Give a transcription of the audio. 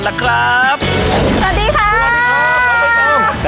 สวัสดีค่ะ